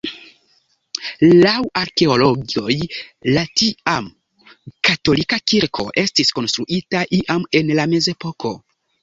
Laŭ arkeologoj la tiam katolika kirko estis konstruita iam en la mezepoko.